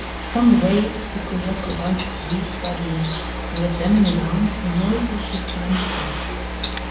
On the way he pulled up a bunch of weeds by the roots and with them in his arms he noiselessly climbed the fence.